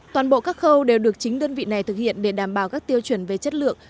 toàn bộ các khâu đều được chính đơn vị này thực hiện để đảm bảo các tiêu chuẩn về chất lượng